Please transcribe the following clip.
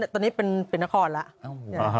ตอนนี้เป็นนครแล้ว